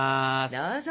どうぞ！